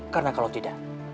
karena kalau tidak